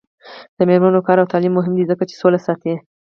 د میرمنو کار او تعلیم مهم دی ځکه چې سوله ساتي.